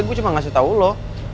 gue cuma ngasih tau lo